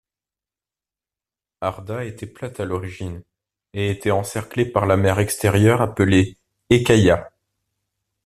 Arda était plate à l'origine et était encerclée par la Mer Extérieure appelée Ekkaia.